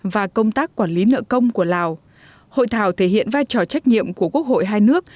và công tác quản lý nợ công của lào hội thảo thể hiện vai trò trách nhiệm của quốc hội hai nước